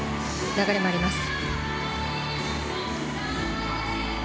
流れもあります。